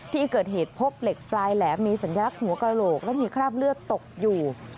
ที่เกิดเหตุพบเหล็กปลายแหลมมีสัญลักษณ์หัวกระโหลกและมีคราบเลือดตกอยู่